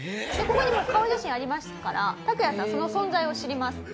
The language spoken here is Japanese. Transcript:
ここにもう顔写真ありますからタクヤさんはその存在を知ります。